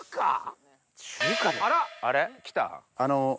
あれ来た？